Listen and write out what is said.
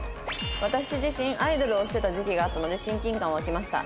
「私自身アイドルをしてた時期があったので親近感湧きました。